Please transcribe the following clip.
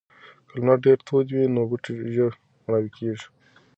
که لمر ډیر تود وي نو بوټي ژر مړاوي کیږي.